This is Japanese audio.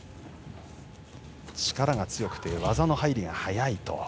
力が強くて技の入りが早いと。